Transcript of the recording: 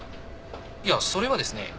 いやそれはですねえ